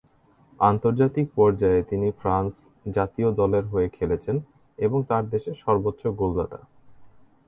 আন্তর্জাতিক পর্যায়ে তিনি ফ্রান্স জাতীয় দলের হয়ে খেলেছেন এবং তার দেশের সর্বোচ্চ গোলদাতা।